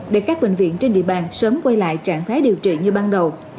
để các bệnh viện trên địa bàn sớm quay lại trạng thái điều trị như ban đầu